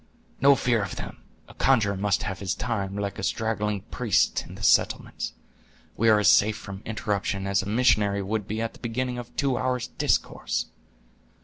"No fear of them. A conjurer must have his time, like a straggling priest in the settlements. We are as safe from interruption as a missionary would be at the beginning of a two hours' discourse.